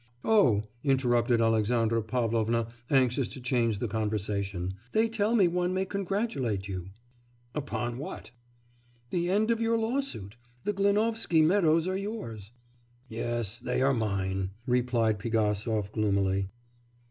'Oh,' interrupted Alexandra Pavlovna, anxious to change the conversation, 'they tell me one may congratulate you.' 'Upon what?' 'The end of your lawsuit. The Glinovsky meadows are yours.' 'Yes, they are mine,' replied Pigasov gloomily.